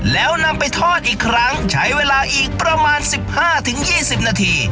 แล้วนำไปทอดอีกครั้งใช้เวลาอีกประมาณสิบห้าถึงยี่สิบนาที